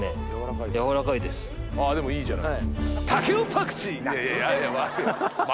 あでもいいじゃない。